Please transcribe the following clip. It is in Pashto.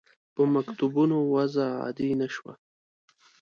په مکتوبونو وضع عادي نه شوه.